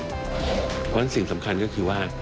เพราะฉะนั้นสิ่งสำคัญก็คือว่า